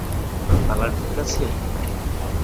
Colour ঠিক আছে?